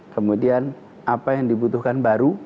kemudian apa yang dibutuhkan baru